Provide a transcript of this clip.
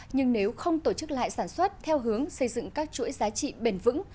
nhưng nếu không tổ chức lại sản xuất theo hướng xây dựng các chuỗi giá trị bền vững